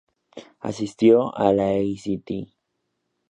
Asistió a la St.